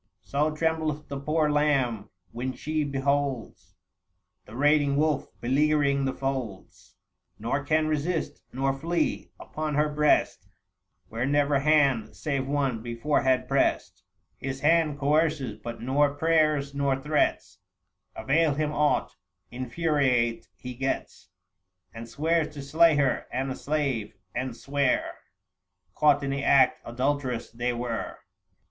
So trembleth the poor lamb when she beholds The raiding wolf beleaguering the folds, Nor can resist nor flee. Upon her breast 855 Where never hand, save one, before had pressed, Book II. THE FASTI. 63 His hand coerces ; but nor prayers nor threats Avail him aught : infuriate he gets, And swears to slay her and a slave, and swear Caught in the act adulterous they were.